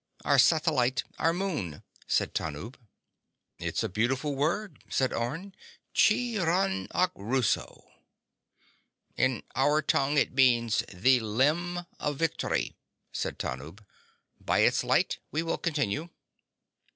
"Our satellite ... our moon," said Tanub. "It's a beautiful word," said Orne. "Chiranachuruso." "In our tongue it means: The Limb of Victory," said Tanub. "By its light we will continue."